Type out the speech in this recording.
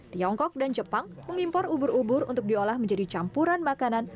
tiongkok dan jepang mengimpor ubur ubur untuk diolah menjadi campuran makanan